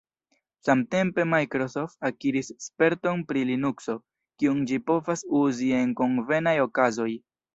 Samtempe Microsoft akiris sperton pri Linukso, kiun ĝi povas uzi en konvenaj okazoj.